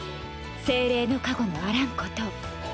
精霊の加護のあらんことを。